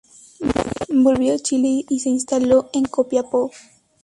Volvió a Chile y se instaló en Copiapó.